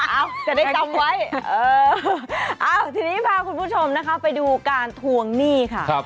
จะได้จำไว้เออเอาทีนี้พาคุณผู้ชมนะคะไปดูการทวงหนี้ค่ะ